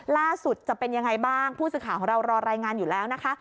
จะเป็นยังไงบ้างผู้สื่อข่าวของเรารอรายงานอยู่แล้วนะคะ